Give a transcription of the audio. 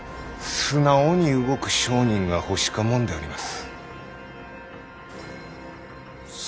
素直に動く商人が欲しかもんであります。